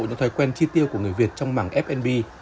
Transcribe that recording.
những thói quen chi tiêu của người việt trong mảng fnb